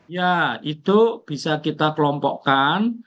ya itu bisa kita kelompokkan